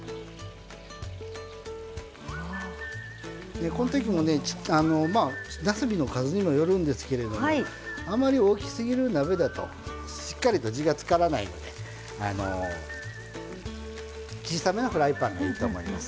でこの時もねなすびの数にもよるんですけれどもあまり大きすぎる鍋だとしっかりと地がつからないのであの小さめなフライパンでいいと思います。